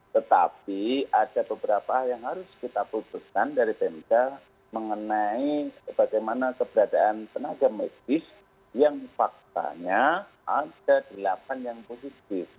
tetapi ada beberapa yang harus kita putuskan dari pemda mengenai bagaimana keberadaan tenaga medis yang faktanya ada delapan yang positif